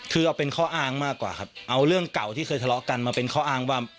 คือเอาเป็นข้ออ้างมากกว่าครับเอาเรื่องเก่าที่เคยทะเลาะกันมาเป็นข้ออ้างว่า